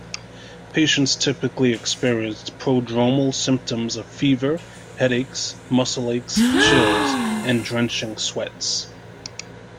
Patients typically experienced prodromal symptoms of fever, headaches, muscle aches, chills, and drenching sweats.